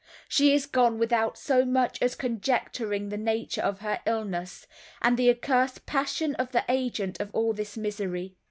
She is gone without so much as conjecturing the nature of her illness, and the accursed passion of the agent of all this misery.